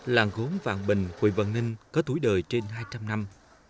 làng gốm vạn bình huyện văn ninh có tuổi đời trên hai trăm linh năm